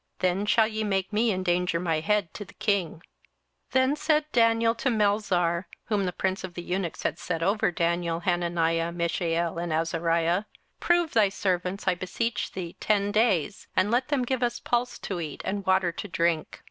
then shall ye make me endanger my head to the king. 27:001:011 Then said Daniel to Melzar, whom the prince of the eunuchs had set over Daniel, Hananiah, Mishael, and Azariah, 27:001:012 Prove thy servants, I beseech thee, ten days; and let them give us pulse to eat, and water to drink.